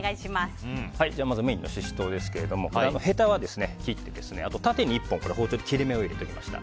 まずメインのシシトウですがヘタは切って縦に１本、包丁で切れ目を入れておきました。